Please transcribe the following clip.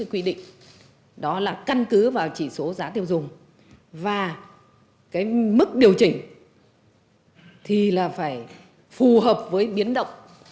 quy định đó là căn cứ vào chỉ số giá tiêu dùng và cái mức điều chỉnh thì là phải phù hợp với biến động